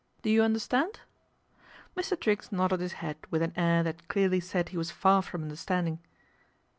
Do you understand ?' Mr. Triggs nodded his head with an air that clearly said he was far from understanding.